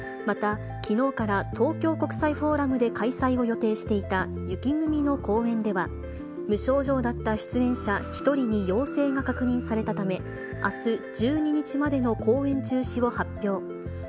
また、きのうから東京国際フォーラムで開催を予定していた雪組の公演では、無症状だった出演者１人に陽性が確認されたため、あす１２日までの公演中止を発表。